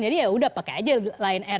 jadi ya sudah pakai saja lion air